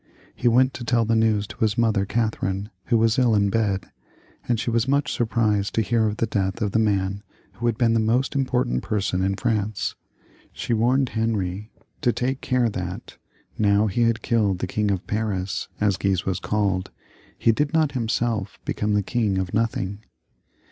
He went to tell the news to his mother Catherine, who was ill in bed, and was much surprised to hear of the death of the man who had been almost the most important person in Prance. She warned Henry to take care that now he had killed the King of Paris, as Guise was called, he did not himself become the king of nothing.